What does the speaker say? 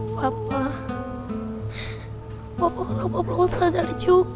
papa papa aku lupa berusaha dari juga